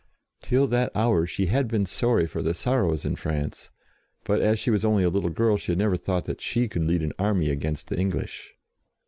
Till that hour she had been sorry for the sorrows in France, but as she was only a little girl, she had never thought that she could lead an army against the English.